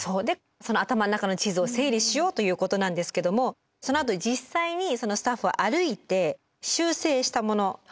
でその頭の中の地図を整理しようということなんですけどもそのあと実際にスタッフは歩いて修正したもの